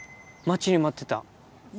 待ちに待ってた。